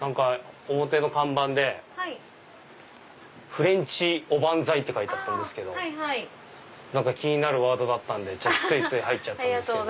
表の看板で「フレンチおばんざい」って書いてあったんですけど気になるワードだったんでついつい入っちゃったんです。